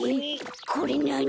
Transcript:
これなに？